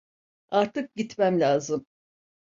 Artık gitmem lazım.